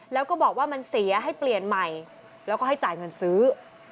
แล้วก็บอกว่ามันเสียให้เปลี่ยนใหม่แล้วก็ให้จ่ายเงินซื้อ